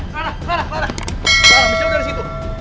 clara clara clara clara bisa lo dari situ